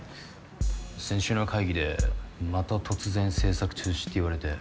先週の会議でまた突然制作中止って言われて。